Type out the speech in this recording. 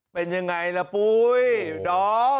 เป็นยังไงล่ะปุ้ยดอม